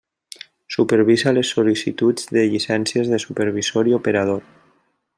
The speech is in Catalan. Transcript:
Supervisa les sol·licituds de llicències de supervisor i operador.